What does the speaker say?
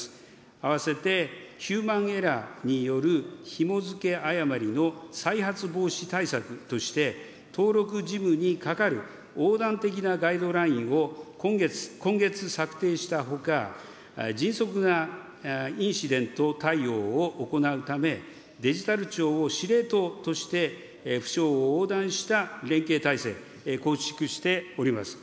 併せて、ヒューマンエラーによるひも付け誤りの再発防止対策として、登録事務にかかる横断的なガイドラインを今月策定したほか、迅速なインシデント対応を行うため、デジタル庁の司令塔として府省を横断した連携体制、構築しております。